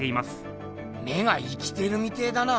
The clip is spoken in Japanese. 目が生きてるみてえだな。